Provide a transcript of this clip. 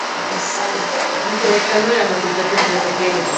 Vicedecano de la Facultad de Filosofía y Letras.